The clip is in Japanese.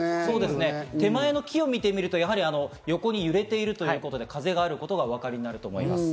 手前の木を見てみると、やはり横に揺れているということで風があることがお分かりになると思います。